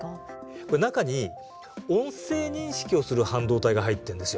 これ中に音声認識をする半導体が入ってるんですよ。